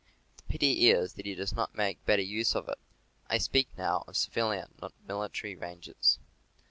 The pity is that he does not make better use of it. (I speak now of civilian, not military, ranges.)